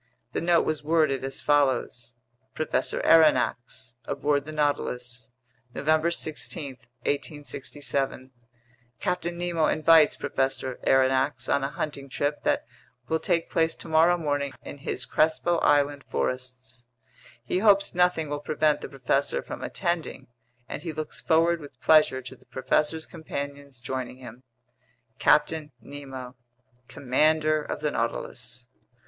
The note was worded as follows: Professor Aronnax Aboard the Nautilus November 16, 1867 Captain Nemo invites Professor Aronnax on a hunting trip that will take place tomorrow morning in his Crespo Island forests. He hopes nothing will prevent the professor from attending, and he looks forward with pleasure to the professor's companions joining him. CAPTAIN NEMO, Commander of the Nautilus.